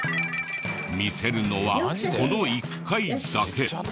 見せるのはこの１回だけ。